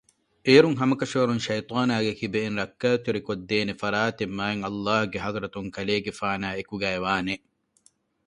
އޭރުން ހަމަކަށަވަރުން ޝައިޠާނާގެ ކިބައިން ރައްކާތެރިކޮށްދޭނެ ފަރާތެއް މާތްﷲގެ ޙަޟްރަތުން ކަލޭގެފާނާއި އެކުގައިވާނެ